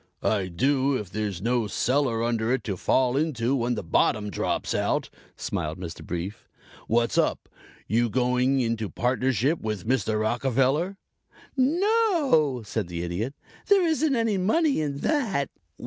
"I do if there's no cellar under it to fall into when the bottom drops out," smiled Mr. Brief. "What's up? You going into partnership with Mr. Rockefeller?" "No," said the Idiot. "There isn't any money in that."